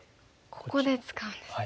ここで使うんですね。